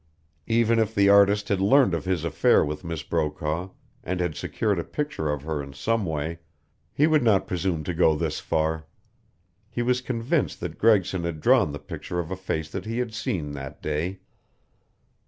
Even if the artist had learned of his affair with Miss Brokaw and had secured a picture of her in some way, he would not presume to go this far. He was convinced that Gregson had drawn the picture of a face that he had seen that day.